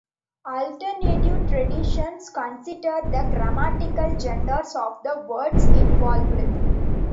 Alternative traditions consider the grammatical genders of the words involved.